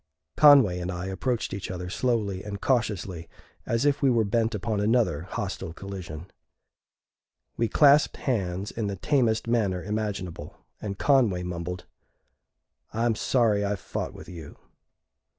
Conway and I approached each other slowly and cautiously, as if we were bent upon another hostile collision. We clasped hands in the tamest manner imaginable, and Conway mumbled, "I'm sorry I fought with you."